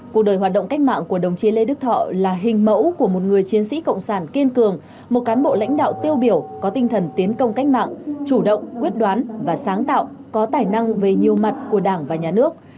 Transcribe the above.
cuộc đời hoạt động cách mạng của đồng chí lê đức thọ là hình mẫu của một người chiến sĩ cộng sản kiên cường một cán bộ lãnh đạo tiêu biểu có tinh thần tiến công cách mạng chủ động quyết đoán và sáng tạo có tài năng về nhiều mặt của đảng và nhà nước